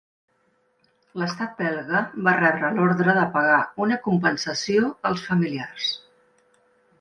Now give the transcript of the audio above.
L'estat belga va rebre l'ordre de pagar una compensació als familiars.